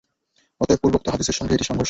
অতএব, পূর্বোক্ত হাদীসের সঙ্গে এটি সাংঘর্ষিক।